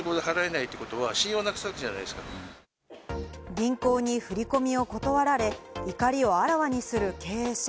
銀行に振り込みを断られ、怒りをあらわにする経営者。